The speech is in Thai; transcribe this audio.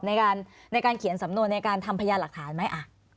ในการเขียนสำนวนในการทำพยานหลักฐานไหม